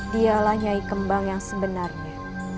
dia lanyai kembar yang sebenarnya